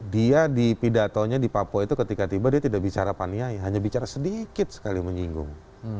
dia di pidatonya di papua itu ketika tiba dia tidak bicara paniai hanya bicara sedikit sekali menyinggung